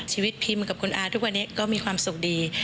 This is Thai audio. พิมกับคุณอาทุกวันนี้ก็มีความสุขดี